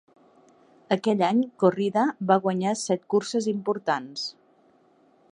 Aquell any, Corrida va guanyar set curses importants.